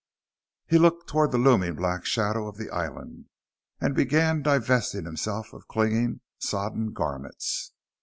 He looked toward the looming black shadow of the island, and began divesting himself of his clinging, sodden garments.